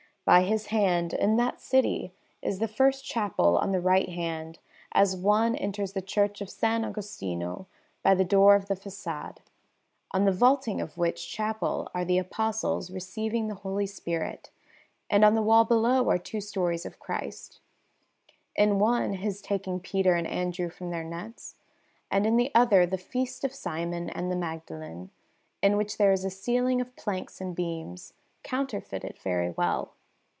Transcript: By his hand, in that city, is the first chapel on the right hand as one enters the Church of S. Agostino by the door of the façade; on the vaulting of which chapel are the Apostles receiving the Holy Spirit, and on the wall below are two stories of Christ in one His taking Peter and Andrew from their nets, and in the other the Feast of Simon and the Magdalene, in which there is a ceiling of planks and beams, counterfeited very well.